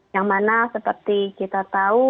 yang mana seperti kita tahu